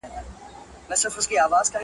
بیا حملې سوې د بازانو شاهینانو!.